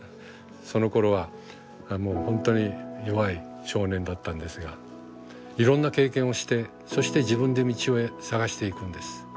そのころはもう本当に弱い少年だったんですがいろんな経験をしてそして自分で道を探していくんです。